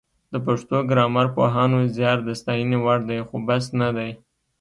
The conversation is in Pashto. د پښتو ګرامرپوهانو زیار د ستاینې وړ دی خو بس نه دی